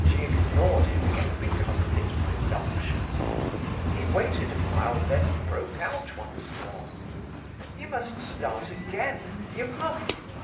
She ignored him again because of his presumption. He waited awhile, then broke out once more. "You must start again—you must.